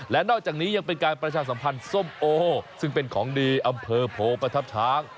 และนอกจากนี้ยังเป็นการประชาสัมพันธ์ส้มโอซึ่งเป็นของดีอำเภอโพประทับช้าง